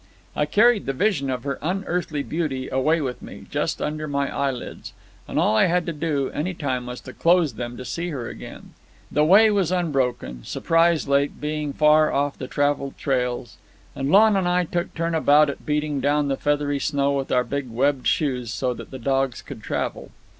I carried the vision of her unearthly beauty away with me, just under my eyelids, and all I had to do, any time, was to close them and see her again. The way was unbroken, Surprise Lake being far off the travelled trails, and Lon and I took turn about at beating down the feathery snow with our big, webbed shoes so that the dogs could travel.